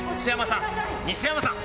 西山さん！